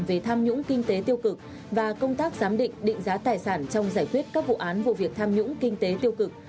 về tham nhũng kinh tế tiêu cực và công tác giám định định giá tài sản trong giải quyết các vụ án vụ việc tham nhũng kinh tế tiêu cực